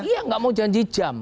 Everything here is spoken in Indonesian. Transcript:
iya nggak mau janji jam